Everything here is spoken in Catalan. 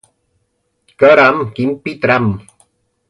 Caram, quin pitram